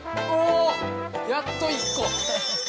◆やっと１個。